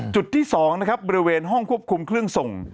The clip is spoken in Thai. จุดที่๒นะครับบริเวณห้องควบคุมเครื่องส่ง